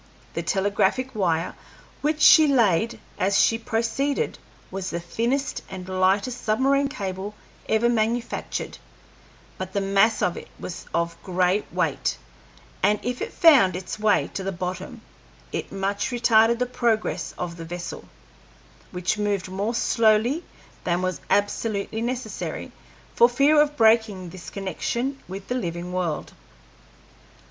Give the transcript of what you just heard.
The telegraphic wire which she laid as she proceeded was the thinnest and lightest submarine cable ever manufactured, but the mass of it was of great weight, and as it found its way to the bottom it much retarded the progress of the vessel, which moved more slowly than was absolutely necessary, for fear of breaking this connection with the living world.